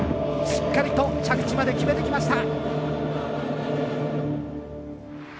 しっかりと着地まで決めてきました。